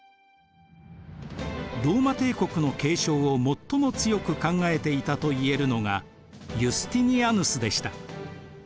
ローマ帝国の継承を最も強く考えていたといえるのがユスティニアヌスでした。